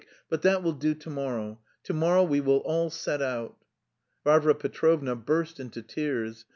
but that will do to morrow.... To morrow we will all set out." Varvara Petrovna burst into tears.